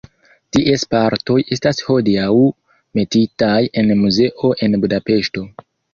Ties partoj estas hodiaŭ metitaj en muzeo en Budapeŝto.